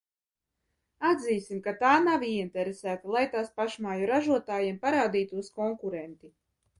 Atzīsim, ka tā nav ieinteresēta, lai tās pašmāju ražotājiem parādītos konkurenti.